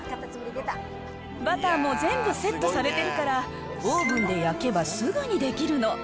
バターも全部セットされてるから、オーブンで焼けばすぐにできるの。